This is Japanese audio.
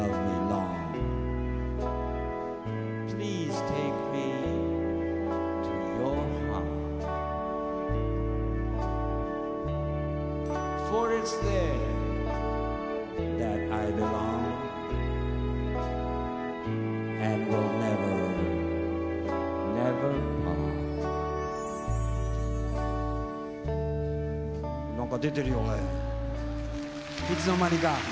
いつの間にか。